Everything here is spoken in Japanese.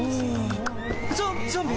ゾゾンビ！